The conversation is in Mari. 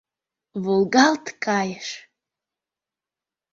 Волгалт кайыш!